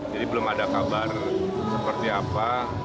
jadi belum ada kabar seperti apa